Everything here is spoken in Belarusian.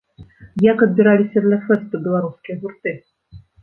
Як адбіраліся для фэсту беларускія гурты?